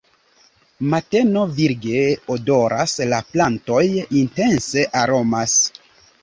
Mateno virge odoras, la plantoj intense aromas.